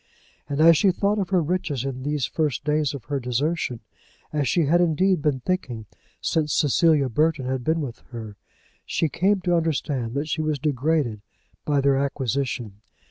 And as she thought of her riches in these first days of her desertion, as she had indeed been thinking since Cecilia Burton had been with her, she came to understand that she was degraded by their acquisition.